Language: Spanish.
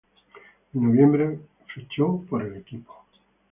En noviembre fichó por el equipo.